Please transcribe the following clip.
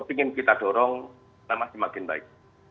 ingin kita dorong semakin baik